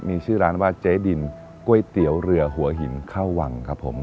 มีชื่อร้านว่าเจ๊ดินก๋วยเตี๋ยวเรือหัวหินข้าววังครับผม